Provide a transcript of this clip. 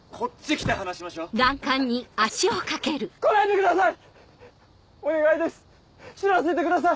来ないでください！